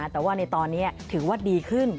แต่ว่าในตอนนี้ถือว่าดีขึ้น